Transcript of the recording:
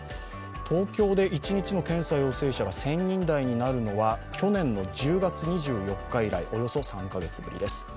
東京で一日の検査陽性者が１０００人台になるのは去年の１０月２４日以来、およそ３か月ぶりです。